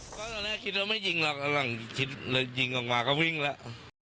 ก็ตอนแรกคิดว่าไม่ยิงหรอกกำลังคิดเลยยิงออกมาก็วิ่งแล้ว